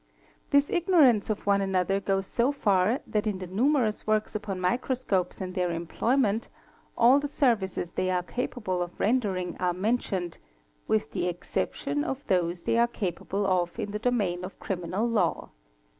'This ignorance of one another goes so far that in the numerous works upon microscopes and their employment, all the services they are capable of rendering are mentioned, with the exception of those they are capable of in the domain of criminal law.